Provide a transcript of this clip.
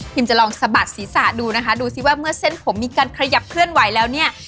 จะลองสะบัดศีรษะดูนะคะดูสิว่าเมื่อเส้นผมมีการขยับเคลื่อนไหวแล้วเนี่ย